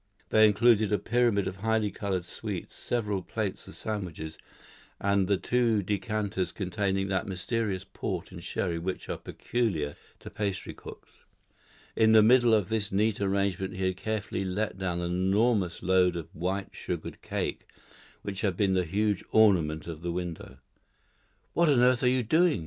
They included a pyramid of highly coloured sweets, several plates of sandwiches, and the two decanters containing that mysterious port and sherry which are peculiar to pastry cooks. In the middle of this neat arrangement he had carefully let down the enormous load of white sugared cake which had been the huge ornament of the window. "What on earth are you doing?"